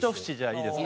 いいですか？